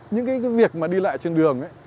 những cái việc mà đi lại trên đường ấy